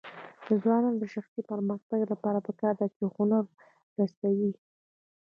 د ځوانانو د شخصي پرمختګ لپاره پکار ده چې هنر رسوي.